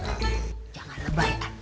jangan rebah ya